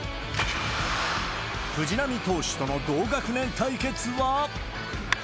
藤浪投手との同学年対決は。